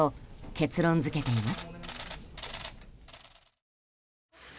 結論付けています。